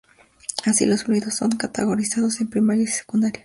Así, los fluidos son categorizados en primarios y secundarios.